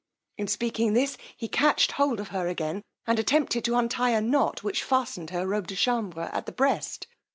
In speaking this he catched hold of her again, and attempted to untye a knot which fastened her robe de chambre at the breast.